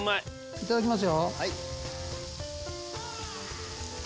いただきます。